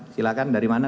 silakan dari mana